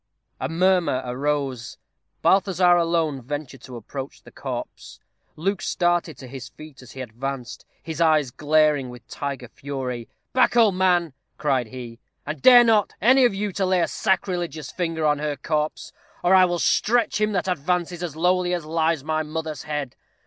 A murmur arose. Balthazar alone ventured to approach the corpse. Luke started to his feet as he advanced, his eyes glaring with tiger fury. "Back, old man," cried he, "and dare not, any of you, to lay a sacrilegious finger on her corse, or I will stretch him that advances as lowly as lies my mother's head.